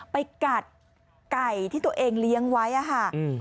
ไปกัดไก่ที่ตัวเองเลี้ยงไว้อะค่ะ